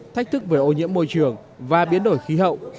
thách thức về ô nhiễm môi trường và biến đổi khí hậu